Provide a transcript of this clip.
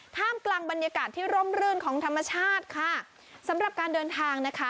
ท่ามกลางบรรยากาศที่ร่มรื่นของธรรมชาติค่ะสำหรับการเดินทางนะคะ